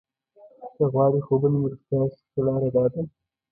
که غواړئ خوبونه مو رښتیا شي ښه لاره داده.